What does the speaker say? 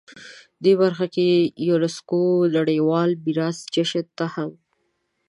دې برخه کې یونسکو نړیوال میراث جشن ته هم